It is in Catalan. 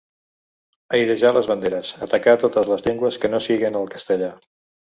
Airejar les banderes, atacar totes les llengües que no siguen el castellà.